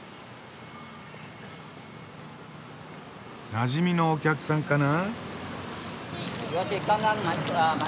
なじみのお客さんかな？